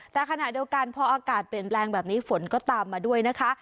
แต่ขณะเดียวกันพออากาศเปลี่ยนแปลงแบบนี้ฝนก็ตามมาด้วยนะคะ